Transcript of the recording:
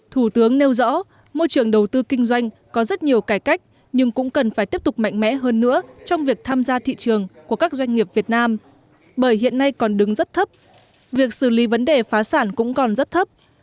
thủ tướng nêu rõ môi trường đầu tư kinh doanh có rất nhiều cải cách nhưng cũng cần phải tiếp tục mạnh mẽ hơn nữa trong việc tham gia thị trường của các doanh nghiệp việt nam bởi hiện nay còn đứng rất thấp việc xử lý vấn đề phá sản cũng còn rất thấp